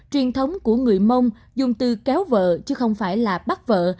truyền thống của người mông dùng từ kéo vợ chứ không phải là bắt vợ